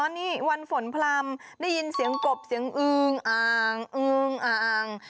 นี่วันฝนพร่ำได้ยินเสียงกบเสียงอึ้งอาง